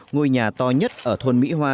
ngôi nhà to nhất ở thôn mỹ hoa